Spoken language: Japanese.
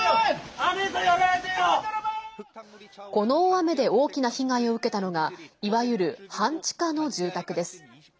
この大雨で大きな被害を受けたのがいわゆる半地下の住宅です。